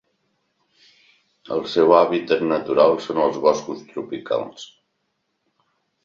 El seu hàbitat natural són els boscos tropicals.